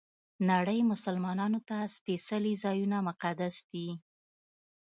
نړۍ مسلمانانو ته سپېڅلي ځایونه مقدس دي.